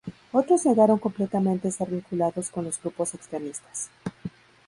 Otros negaron completamente estar vinculados con los grupos extremistas.